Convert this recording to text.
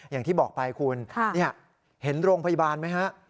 อย่างที่บอกไปคุณเห็นโรงพยาบาลไหมฮะ